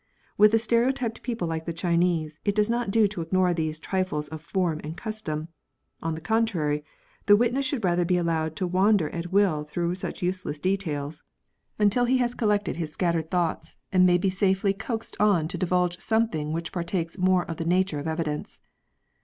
With a stereotyped people like the Chinese, it does not do to ignore these trifles of form and custom ; on the contrary, the witness should rather be allowed to wander at will through such useless details until he JURISPR UDENCE. 8 7 has collected his scattered thoughts, and may be safely coaxed on to divulge something which partakes more of the nature of evidence.